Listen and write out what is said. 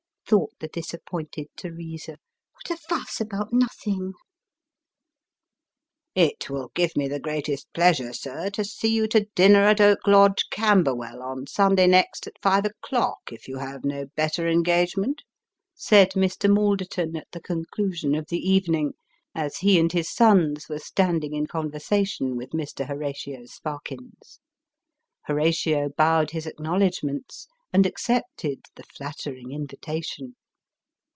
" thought the disappointed Teresa. " What a fuss about nothing !"" It will give me the greatest pleasure, sir, to see you to dinner at Oak Lodge, Camberwell, on Sunday next at five o'clock, if you have no better engagement," said Mr. Malderton, at the conclusion of the evening, as he and his sons were standing in conversation with Mr. Horatio Sparkins. Horatio bowed his acknowledgments, and accepted the flattering invitation.